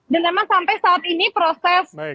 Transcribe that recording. dan memang sampai saat ini proses dari